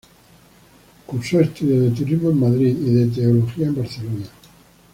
Cursó estudios de turismo en Madrid y de teología en Barcelona.